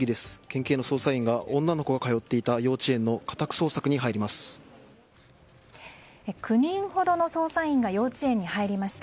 県警の捜査員が女の子が通っていた幼稚園の家宅捜索に入ります。